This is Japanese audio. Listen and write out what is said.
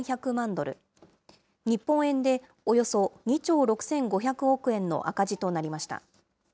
ドル、日本円でおよそ２兆６５００億円の赤字となりました。